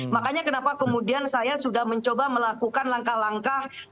makanya kenapa kemudian saya sudah mencoba melakukan langkah langkah